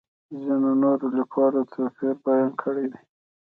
ځینو نورو لیکوالو توپیر بیان کړی دی.